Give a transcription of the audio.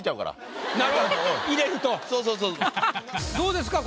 どうですか？